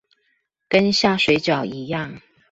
跟下水餃一樣